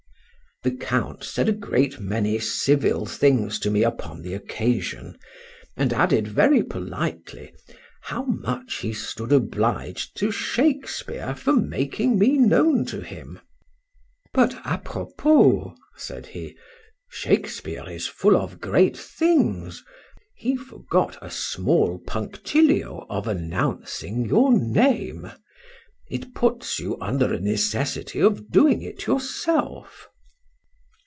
The Count said a great many civil things to me upon the occasion; and added very politely, how much he stood obliged to Shakespeare for making me known to him.—But à propos, said he;—Shakespeare is full of great things;—he forgot a small punctilio of announcing your name:—it puts you under a necessity of doing it yourself.